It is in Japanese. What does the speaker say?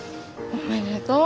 おめでとう。